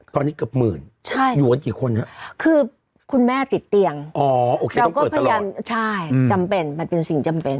ตอนนี้เกือบหมื่นใช่อยู่กันกี่คนฮะคือคุณแม่ติดเตียงอ๋อโอเคต้องกดพยานใช่จำเป็นมันเป็นสิ่งจำเป็น